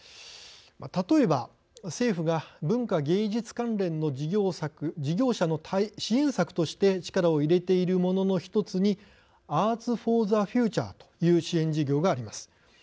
例えば、政府が文化芸術関連の事業者の支援策として力を入れているものの１つにアーツ・フォー・ザ・フューチャーという支援事業があります。